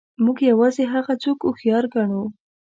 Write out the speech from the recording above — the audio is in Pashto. موږ یوازې هغه څوک هوښیار ګڼو.